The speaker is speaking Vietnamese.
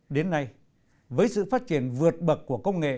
đến nay với sự phát triển vượt bậc của công nghệ